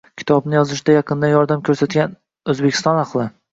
Kitobni yozishda yaqindan yordam ko`rsatgan O`zbekiston ahli